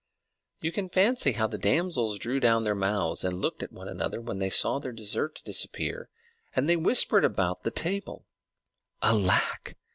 You can fancy how the damsels drew down their mouths and looked at one another when they saw their dessert disappear; and they whispered about the table, "Alack!